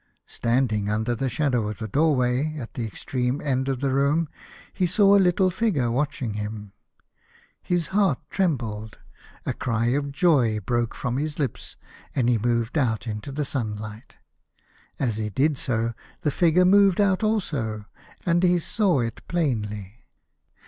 Standing under the shadow of the doorway, at the extreme end of the room, he saw a little figure watch ing him. His heart trembled, a cry of joy broke from his lips, and he moved out into the sunlight. As he did so, the figure moved out also, and he saw it plainly.